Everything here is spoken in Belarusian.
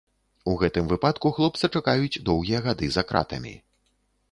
У гэтым выпадку хлопца чакаюць доўгія гады за кратамі.